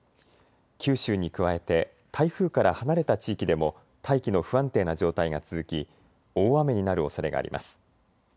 九州に加えて台風から離れた地域でも大気の不安定な状態が続き大雨になるおそれがあります。